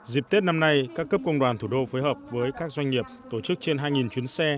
dịp tết năm nay các cấp công đoàn thủ đô phối hợp với các doanh nghiệp tổ chức trên hai chuyến xe